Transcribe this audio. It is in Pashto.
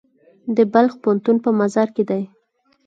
د بلخ پوهنتون په مزار کې دی